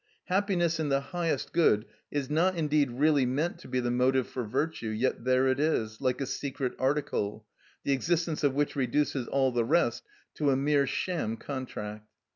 Happiness in the highest good is not indeed really meant to be the motive for virtue; yet there it is, like a secret article, the existence of which reduces all the rest to a mere sham contract.